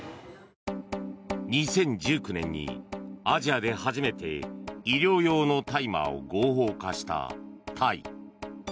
２０１９年にアジアで初めて医療用の大麻を合法化したタイ。